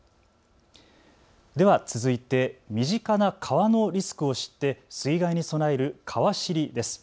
では続いて身近な川のリスクを知って水害に備えるかわ知りです。